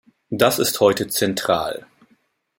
Das ist heute zentral.